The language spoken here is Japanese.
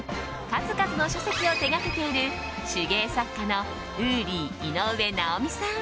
数々の書籍を手掛けている手芸作家のＷＯＯＬＹ井上直美さん。